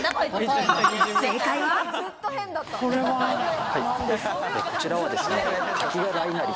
正解は。